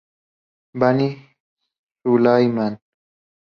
Bani Sulayman